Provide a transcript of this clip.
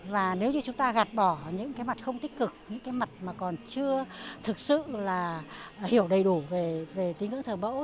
và nếu như chúng ta gạt bỏ những mặt không tích cực những mặt mà còn chưa thực sự hiểu đầy đủ về tiến ngưỡng thờ mẫu